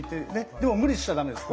でも無理しちゃダメです